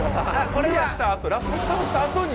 クリアしたあとラスボス倒したあとに。